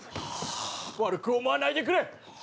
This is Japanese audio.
悪く思わないでくれ。